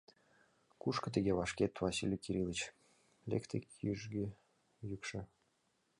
— Кушко тыге вашкет, Василий Кирилыч? — лекте кӱжгӧ йӱкшӧ.